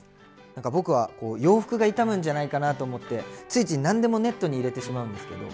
なんか僕は洋服が傷むんじゃないかなと思ってついつい何でもネットに入れてしまうんですけど。